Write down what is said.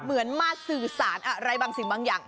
เหมือนมาสื่อสารอะไรบางสิ่งบางอย่าง